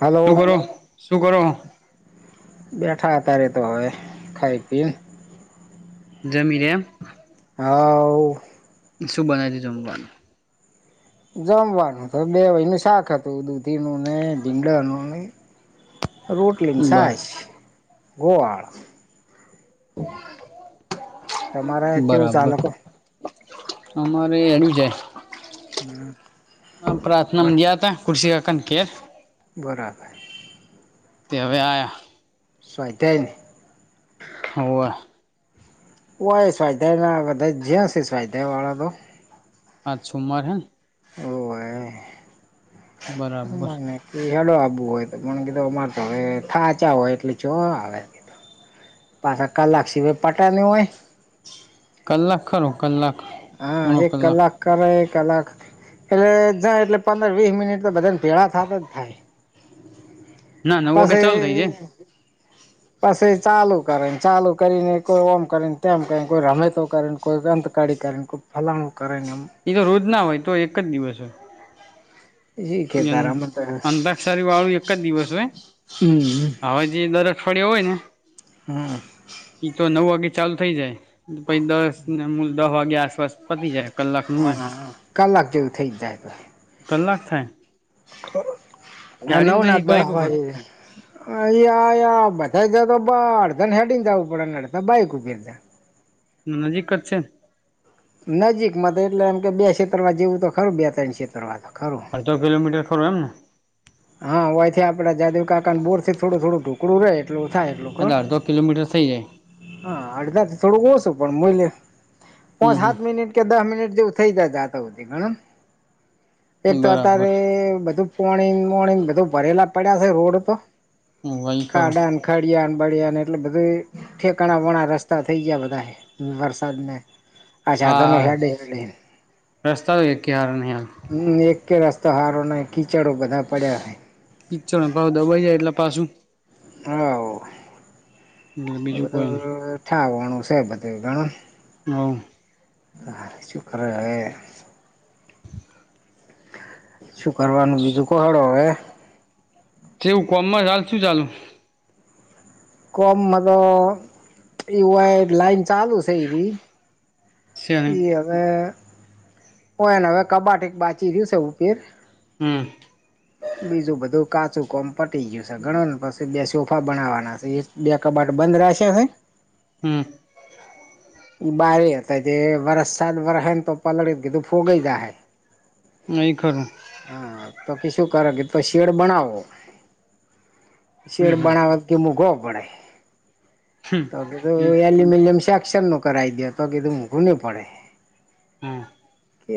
હાલો શું કરો શું કરો હો બેઠા અતારે તો હવે ખાઈ પી ને જમીને એમ હવ શું બનાયુ છે જમવા જમવાનું તો બે વયનું શાક હતું દૂધી નું ને ભીંડાનું નહી રોટલી ને બર છાસ ગોળ તમારે કેવું બરાબર. ચાલે કો અમારે હેડ્યું જાય હમ, આ બસ, પ્રાર્થનામાં ગયાતા ખુરશી કાકા ને ઘેર બરાબર. તે હવે આયા સાધ્યમ હોવે ઓય સ્વાધ્યાય ના બધા જ્યા શે સ્વાધ્યાય વાળા તો આાજ સોમવાર હેને હોવે બરાબર [unintelligible] હેડો આવુ હોય તો પણને કીધું અમારે તો હવે થાચા હોય એટલે જો આવે પાછા કલાક સિવાય પટ ની હોય કલાક ખરો કલાક હા પોણો એક કલાક કરે એ કલાક એટલે જાય એટલે પંદર વીહ મિનિટ તો બધાને ભેળા થાતા જ થાય ના નવ વાગે ચાલુ પસી થઇ જાય પછી ચાલુ કરે ને ચાલુ કરીને કોઈ ઓમ કરેને તેમ કરે કોઈ રમેતો કરેને કો [unintelligible] કરેને કોઈ ફલાણું કરે ને એમ એ તો રોજ ના હોય તો એક જ દિવસ હોય શીખે અં તારા મત અંતાક્ષરી વાળું એક જ દિવસ હોય હમ હવે જે દર પડ્યો હોય ને હમ્મ. ઈ તો નવ વાગે ચાલુ થઈ જાય પછી દસને મૂલ દહ વાગ્યા આસપાસ પતી જાય કલાકનું હોય. હા કલાક જેવું થઇ જ જાય તોય કલાક થાય નવ ગાડીને ના જઈ દહ બાઈક ઉપર વાગી જાય. અ યા યા બધાજ [unintelligible] અડધાને હેડીંને જાવું પડે, અડધા બાઈક ઉપર જાય નજીક ક જ છે. નજીકમાં તો એટલે એમ કે, બે ક્ષેત્ર વા જેવું તો ખરું, બે ત્રણ ક્ષેત્ર વા તો ખરું. અડધો કિલોમીટર ખરું એમને? હા, વાયથી આપડા જાદવ કાકાના બોર થી થોડું થોડું ઢુકળું રે. એટલું થાય, એટલું કો એટલે અડધો કિલોમીટર થઈ જાય હા અડધા થી થોડુંક ઓશું, પણ મૂલ હમ પોચ હમ હાત મિનિટ કે દહ મિનિટ જેવું થઈ જાય તા તો સુધી માં ગણો, એક તો બરાબર અતારે બધું પોણીન મોણીન બધું ભરેલા પડ્યા છે રોડ તો, વહી ખરું ખાડાન ખડિયાને બડિયાને, એટલે બધે ઠેકાણા વાણા રસ્તા થઇ ગ્યા બધાય, વરસાદને અચ્છા. તનું હા હેડે હેડે. રસ્તા તો એકે હારા નહીં હાલ હમ્મ, એક કે રસ્તા હારો નહીં, કીચડો બધા પડ્યા હે. કિચડ નુ ભાવ દબાઈ જાય, એટલે પાછું હ વ, એટલે એ બીજું કોઈ નહી બધું થાવાણું છે બધું ઘણું. હોવ આ શું કરે હવે. શું કરવાનું? બીજું કહાડો હવે જેવું કોમમાં હાલ શું ચાલું? કોમ મધ એવાય લાઈન ચાલુ છે. એવી શે નહી ઈ હવે ઓ એને, હવે કબાટ એક બાચી રહ્યું છે. ઉપીર હમ્મ. બીજું બધું કાચું કોમ પટી ગયું છે, ગણોને પી બે સોફા બનાવાના છે. બે કબાટ બંધ રહેશે હ. હમ્મ બારે એ હતા, જે વષૅ સાત, વર્ષ હને, તો પલડ ગીધું. ફુગઈ જાહેર. એ ખરું હા, તો કે શું કરો, કે તો શેડ બનાવો, હમ શેડ બનાવ તે મૂઘો પડે, હમ તગ તે હમ એલ્યુમિનિયમ શેક્ષન નુ કરાવી દે, તો કીધું. મોંઘું પડે. હમ્મ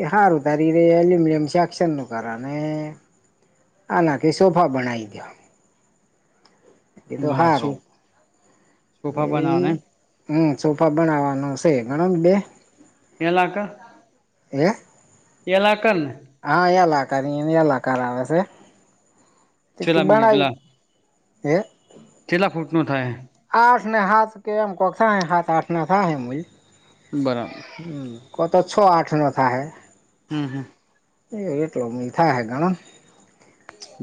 એ હારું, તારી ર એલ્યુમિનિયમ શેક્શનનું કરવાને આનાકી સોફા બણાવ દો. એતો બસ હારુ, શું એ સોફા બનાવવાના એમ હમ્મ, સોફા બનાવાનું છે, ગણો ને બે ગેલાકા એ એલાકન હા, એલ આકારની એલ આકાર આવે છે, તિકે છેલ્લા બણવી પેલા એ કેટલા ફૂટનું થાય? આઠ ને હાથ કે એમ કકસા હાથ આઠ ન થાય મૂઈ. બરા હમ્મ, કો તો છ આઠ નો થા હૈ. હમ્મ હમ્મ એટલો હે ગ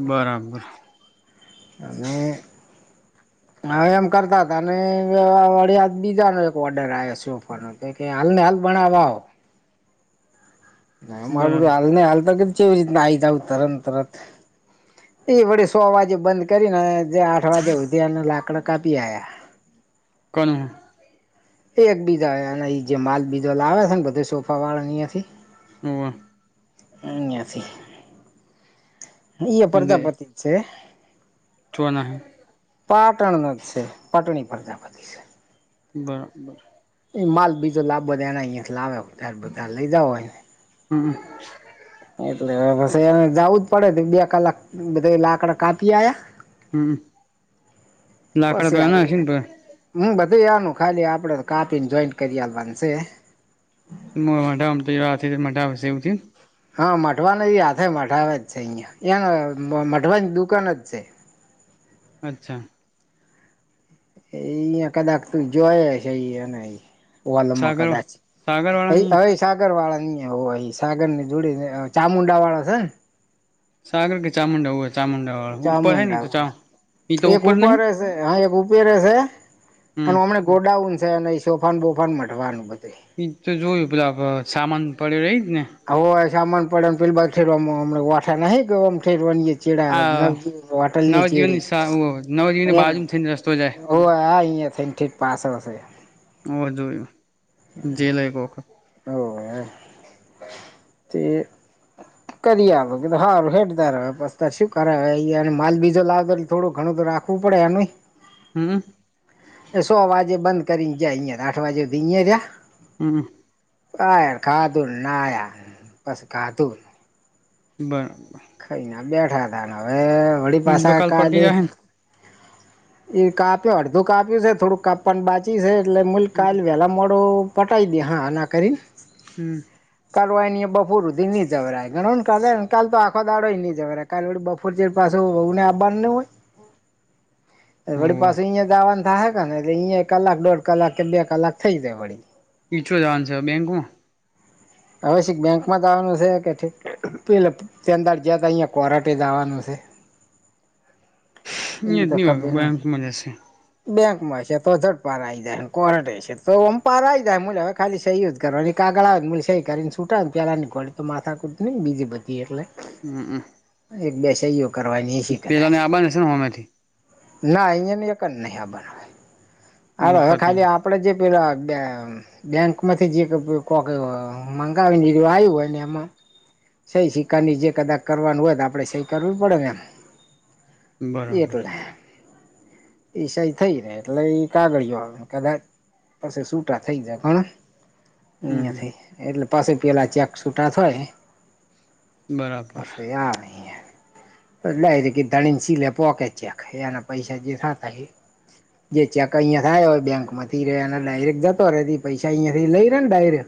બરાબર અને હા, એમ કરતા હતા. અનેળ બીજાનો એક ઓર્ડર આવ્યો છે. કે હાલ ભણાવવા મારું બરાબર હાલ ન હાલતા કે એવી રીતના આ આવી જ આવ. તરણ તરત એ વળી સો વાગે બંધ કરીને, જે આઠ વાગે ઉધી અને લાકડ કાપી આવ્યા. કોણ? એ એકબીજાના જે માલ બીજો લાવ્યા છે ને, બધા સોફા વાળા યાથી ન અથી પ્રજાપતિ છે. છો ને. પાટણનો જ છે. પાટણી પ્રજાપધી છે. બરાબર એ માલ બીજો લાવોના અહીંયા લાવે [unintelligible] લઈ જાવઓ અહીંયા હમ એટલે એને પછી જવું જ પડે બે કલાક બધા લાકડા કાપી આયા હમ લાકડા તો [unintelligible] હમ બધા આનું ખાલી આપડે કાપીને જોઈન્ટ કરી આવવાનું છે. [unintelligible] હા મઢવાના હાથે મઢાવે જ છે અહીયાં એંને મઢવાની દુકાન જ છે. અચ્છા એ ત્યાં કલાક તું જોય હ છે એનેય ઓલમાં સાગર કદાચ સાગર વાળા ની એ સાગર વાળા ને ત્યાં હોય સાગર ને જોડે ચામુંડા વાળા છે ને સાગર કે ચામુંડાવું હોય. ચામુંડા હોય તો એક ઉપર રહેશે હા એક ઉપર રહેશે હમ અને એમને ગોડાઉન છે અને સોફાન બોફાન મઢવાનું બધું [unintelligible] પેલા અ સામાન પડ્યો હોય એજ ને [unintelligible] ચડા નવજી વાટલ આ ની નવજીવનની ચેડી સા નવજીવનની બાજુમાં થઈને રસ્તો જાય [unintelligible] ઠીક પાછળ છે. હ જોય જે લ એક વખત હવ હો તે કરી આપો સારું હેદાર પ શું કરાવ માલ બીજો લાવે થોડો ઘણું તો રાખ પડે એનુઈ હમ એ સો વાગે બંધ કરી જાય અહીયાં આઠ વાગે સુધી અહીયા જ્યા હમ બાર ખાદૂ નાયા બસ ખાદુ બરાબર ખઈ ના બેઠા તા ને હવે વળી એમ તો પાછા કાલ પટી કાલે જાહે ને એ કાપ્યો અડધું કાપ્યું છે થોડુંક કાપવનું બાચી છે એટલે મલ કાલે વેલા મોડું પટાઈ દય હા ના કરીને હમ્મ. કાવાઈ એની બપોરધી નહી જવરાય ઘણો ને ને કાલ તો આખો દાડોય નહી જરારે. કાલે વળી બફોર ચેર પાસે હો વહુ ને આપવાનું ના હોય. વળી હોવે પાસે અહિયા જાવાનું થાહે હે ને એટલે અહિયા કલાક દોઢ કલાક કે બે કલાક થઇ જાય વળી. પીછો જાવાન છે બેંકો હવે શી બેંકમાં જવાનું છે કે ઠીક પેલે તંદાળ જયા હતા અહીંયા કોરાટે જ આવવાનું છે. ઈ મિયા તો ની ખબર ન બેંક માં જશે. બેંકમાં છે તો જટ પારા આવી જાય કોર્ટ છે તો પારા જાય મુજા ખાલી સહી જ કરવની અને કાગડા મ સહી કરને છૂટા પહેલાની ઘડી તો માથાકુટ નહી બીજી બધી એટલે હમ્મ અમ્મ. એક બે સયો કરવાની શી કરે. બંને સે ઓ નથી. ના અહીંયા એક જ નહીં બનાય અરે ઈ હવે પતી ખાલી આપડે જે પેલા બે બેંક માંથી જે કોક મગાવી ને આયું હોય ને એમાં સહી સિક્કાની જે કદાચ કરવાનું હોય તો આપડે સહી કરવું જ પડે ને એમ. ગયું બરાબર એટલે ઈ સઈ થઈ ને એટલે કાગળઓ આવે કદાચ પછી સૂટા થઈ જાય પણ હમ અહિયથી એટલે પાછા પેલા ચેક છૂટા થાય બરાબર પાસે યા નહી હે. લએ કે દણીને સીલે પોકે ચેક એના પૈસા જે થ થ એ જે ચેક અહીંયા થાય હોય બેકમાંથી રે અને ડાયરેક્ટ જતો રે પૈસા અહીયા થી લઈ રે ને ડાયરેક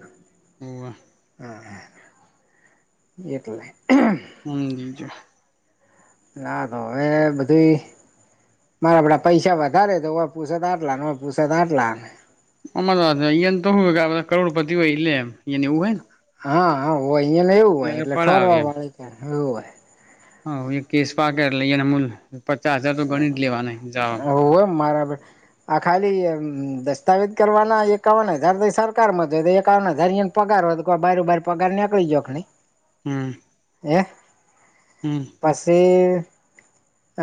હમ્મ. એટલે. હમ્મ એમ છે. ના તો હવે બધું ઈ મારા આપડા પૈસા વધારે તો હો પુસે તો આટલાને ન પુસત આટલા ને અમાર અહીંયાને તો કરોડપતિ હોય એલે એ હીં એવું હોય ને હા હા હોય અહીંયા ને એવું હોય એટલે ઠોરવા વાડે કે એવું હોય. હ એ કેશ પાક લઈ એને મૂલ પચાસ હજાર તો ગણી જ લેવાના જવા. ઓવે મારા બે આ ખાલી દસ્તાવેજ કરવાના એકાવન હજાર તો સરકારમાં જો એકાવન હજાર અહીં પગાર હો તો કો બારું બાર પગાર નીકળી જાય ગણી. હમ્મ. હે? હમ્મ. પછી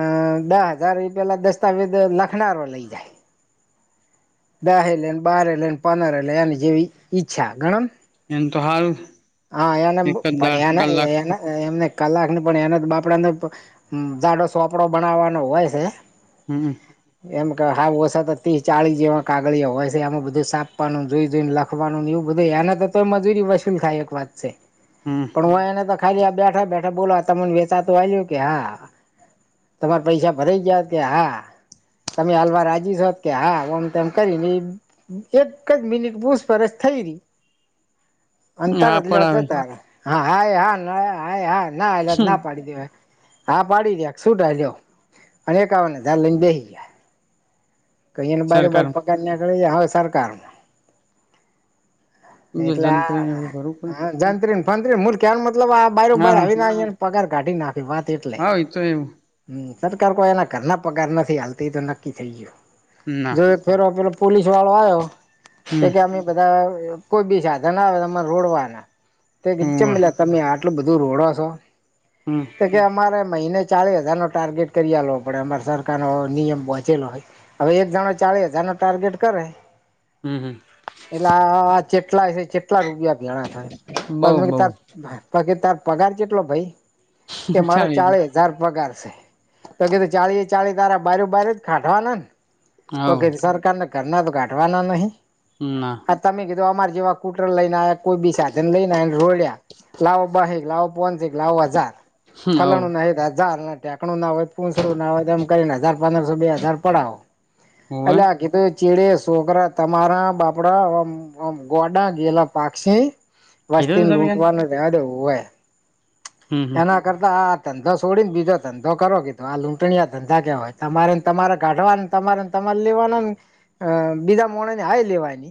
અહ દહ હજાર પેલા દસ્તાવેજ લખનારો લઈ જાય. દહે લેને બારે લેને પંદરે લે એની જેવી ઈચ્છા ઘણો ન એમ તો હાલ હા એને પણ એના એના એમને કલાક પણ એના બાપડાને હમ્મ જાડો સોપડો બનાવવાનો હોય છે. હમ્મ. એમ કે હાવ ઓછ તો ત્રીસ ચાલીસ જેવા કાગળિયા હોય છે એમાં બધું સાપવાનું જોઈ જોઈને લખ કરવાનું એવું બધુંય એના તો તો મજૂરી વસૂલ ખાય એક વાત છે. હમ્મ. પણ હું એને તો ખાલી બેઠા બેઠા બોલો તમને વેચાતો આયો કે હા. તમારે પૈસા ભરાઈ ગયા કે હા હા તમે હાલવા રાજી છો કે હામ તેમ કરી ને ઈ એક જ મિનિટ પૂછપરછ થઈ રહી હા તરત લેવા પડાવે જતા રયાહા હ હા હ હા નાલે હમ ના પાડી દેવાય હા પાડી દ્યા શુંટા થાય અને એક આવજાર લઈને બેસી ગયા હવે બારે બાર સરકાર પગારના દેવાઈ ગયા હવે સરકારના એટલે જંત્રીને હા એવું કરવું પડે હા જંત્રી તંત્રી મૂળ કહેવાનો મતલબ આ બે હા બાર હા આવી ના ને પગાર કાઢી નાખ વાત એટલે હા એ તો એવું હમ સરકાર કોઈ એના ઘરના પગાર નથી આલતી તો નક્કી થઈ ગયો ના જો એક ફેરો પેલો પોલીસ વાળો આવ્યો તે હમ કેમે બધા કોઈ બી સાધન આવે રોડવાલા ચેમ હોવે તમે આ એટલો બધો રોડો છો હમ તો કે અમારે મહિને ચાલીસ હજારનો ટાર્ગેટ કરીવો પડે અમારે સરકારનો નિયમ પહંચેલો હોય હવે એક જણો ચારે હજાર નો ટાર્ગેટ કરે હમ હમ એટલે આ જેટલા છે જેટલા રૂપિયા ભેણા થાય બઉ પણ બઉ પગી તાર પગાર જેટલો ભઈ કે મારો ચાલી ચાલી પગારશે તો કીધું ચાળીએ ચાળી તારા બારું બાર જ કાઢવાના ને કો હવ સરકારને ઘરના તો કાઢવાના નહી ના આ તમે કીધો અમાર જેવા કુટર લઈને કોઈ બી સાધન લઈનેને રોડ્યા લાવો બાહક લાવો પોસક લાવો હજાર હવ ફલાણું ન હજાર ણુ ના હોય પૂસડું ના હોય એમ કરીને હજાર પંદરસો બે હજાર પડાવો હોવે એટલે આકી તો ચીડે છોકરા તમારા બાપડા આમ ગોડા ગયેલા પાકસે કીધું વસ્તી તું ને તમે યાર લૂંટવાનું દેવું હોય હમ હમ એના આ ધંધો છોડીને બીજો ધંધો કરો કીધો આ લૂંટણી આ ધંધા કેવા હોય તમાર તમારે કાઢવા તમારે તમારે લેવાના ને બીજા ને હાય લેવાય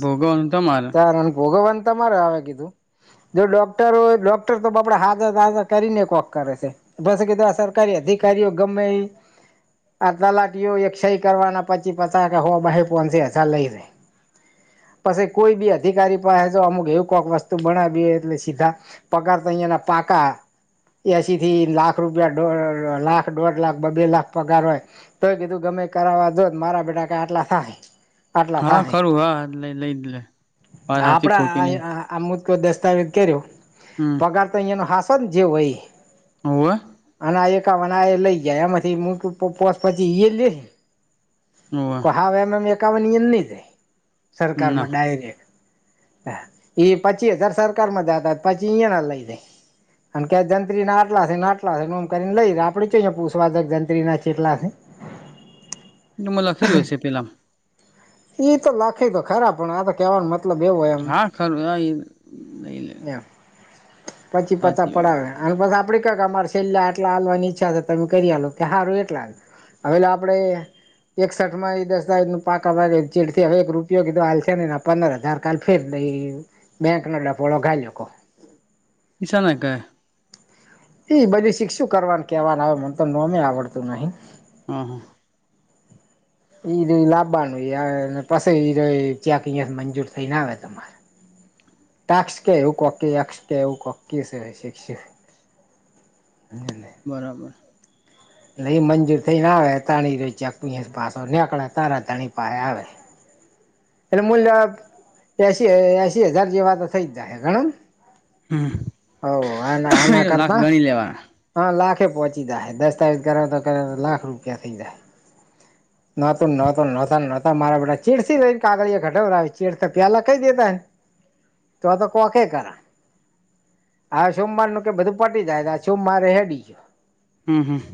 ભોગવવાનું તમારે તારે ના ભોગવવાનો તમારે આવે કીધું જો ડોક્ટર હોય ડોક્ટર તોપડે હાજર તાજર કરીને એક વક કરે છે. બસ કીધું આ સરકારી અધિકારીઓ ગમે ઇ આ તલાટીઓ એક સહી કરવાના પછી પછા કે હું બહી ફોન છે હજાર લઈ જાય પછી કોઈ બી અધિકારી પાસે તો અમુક એવું કોઈક વસ્તુ બણાવી એટલે સીધા પગાર તઈના પાકા એસીથી લાખ રૂપિયા લાખ દોઢ લાખ બ બે લાખ પગાર હોય તોય કીધું ગમે કરાવવા જોત મારા બેટા કા આટલા થાય આટલા હા ખરું હા લઈ લઈ જ લે વાત હાચી આપડા ખોટી નઈ આ આ મુદકો દસ્તાવેજ કર્યો હમ ગ તો અહીંયા ન હાસો જેવય ઇ હોવે અને આ એક કા વણાએ લઈ જાય એમાંથી મોટું પોસ પછી ઈયેલે હોવે હાવ એમ એમ એકાવન નહી થાય ના સરકારમાં ડાયરેક્ટ હા એ પચી હજાર સરકાર મધ આ પછી ઈયાના લાઈ અને કે જંત્રી ના આટલા છેને આટલા છે એમ કરીને લઈ આપડે જો પુષવા જક જંત્રી ના ચેટલા છે. [inaudible] એ મ લખીલુંય છે પેલામ. ઈ તો લખે તો ખરા પણ આ તો કેવાનો મતલબ એવો હોય એમ. હા ખરું હા એ લઈ લે એમ પછી પછા સાચી વાત પડાવે. અને બસ આપડે કક અમારે છેલ્યા એટલા હાલવાની ઈચ્છા છે તમે કરી આલો કે સારું એટલા આ. હવે આપડે એકસઠ માં એ દસ્તાવેજ ન પાકા ભ ચેડથી હવે એક રૂપ ઉપયોગી તો હાલ છે ને પંદર હજાર કડ ફેરઈ બેંક નો ડપોળો ગાઈકો. ઈસાને કે. એ બધું શીકષુ કરવાનું કેવાનું આવે મને તો નોમે આવડતું નહિ. હા હા. ઈ ર લાવવાનું પછી ઈ ર ચેક મંજૂર થઈને આવે તમારે. ટાકસ કે એવું ટેક્સ એવું કોક કેવું કો શ. [unintelligible] બરાબર. ન એ મંજૂર થઈને આવે તણી જો ચકી પાસો નેકડા તારા તણી પાસે આવે. એટલે મૂલ્ય એસી એસી હજાર જેવા તો થઈ જ જાયશે ગણને. હમ્મ. હો હના હના કરતા. લેવાના હા લાખે પોહોંચી જાય દસ્તાવેજ કરવા તો કરાવતા લાખ રૂપિયા થઇ જ. નોતું નોતું નોતા નહોતા મારા બેટા ચીડને કાગળ ઘટવડાવ ચેડ પ્યાલા કઈ દેતા ને. તો આ તો કોકે કરા. હા સોમવાર નું કે બધું પટી જાય છે સોમવાર રેડી છે. હમ હમ.